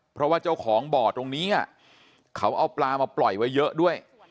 เพราะว่าเจ้าของบ่อตรงนี้เขาเอาปลามาปล่อยไว้เยอะด้วย